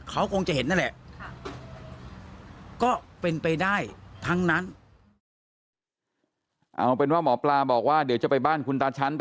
เขาคงจะเห็นนั่นแหละ